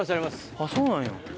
あっそうなんや。